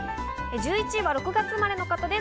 １１位は６月生まれの方です。